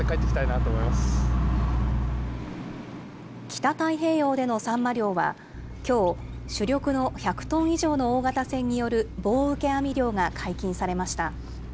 北太平洋でのサンマ漁は、きょう、主力の１００トン以上の大型船による棒受け網漁が解禁されました。